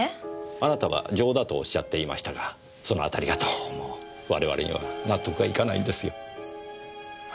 あなたは情だとおっしゃっていましたがそのあたりがどうも我々には納得がいかないんですよ。